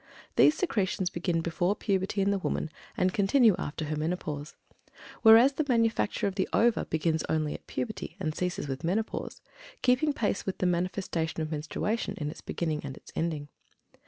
These secretions begin before puberty in the woman, and continue after her menopause; whereas the manufacture of the ova begins only at puberty, and ceases with the menopause, keeping pace with the manifestation of menstruation in its beginning and its ending.